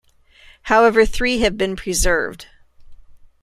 However, three have been preserved.